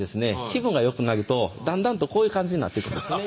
気分がよくなるとだんだんとこういう感じになっていくんですね